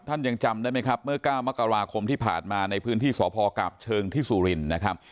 ยังจำได้ไหมครับเมื่อ๙มกราคมที่ผ่านมาในพื้นที่สพกาบเชิงที่สุรินนะครับ